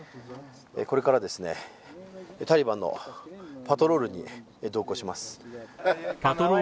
これからですね、タリバンのパトロールに同行します。